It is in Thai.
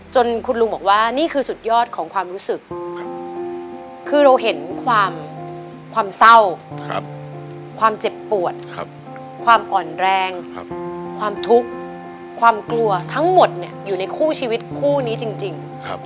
คุณลุงบอกว่านี่คือสุดยอดของความรู้สึกคือเราเห็นความเศร้าความเจ็บปวดความอ่อนแรงความทุกข์ความกลัวทั้งหมดอยู่ในคู่ชีวิตคู่นี้จริง